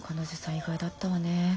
意外だったわねぇ。